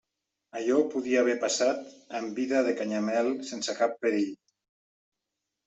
Allò podia haver passat en vida de Canyamel sense cap perill.